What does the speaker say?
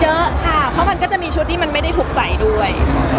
เยอะค่ะเพราะมันก็จะมีชุดที่มันไม่ได้ถูกใส่ด้วย